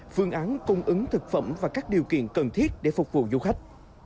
phương án cung ứng thực phẩm và các điều kiện cần thiết để phục vụ du khách